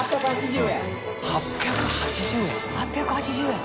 ８８０円？